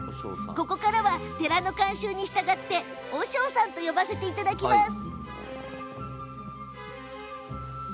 ここからは寺の慣習に従って和尚さんと呼ばせていただきます。